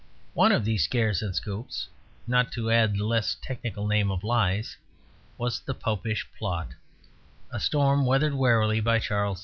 One of these scares and scoops (not to add the less technical name of lies) was the Popish Plot, a storm weathered warily by Charles II.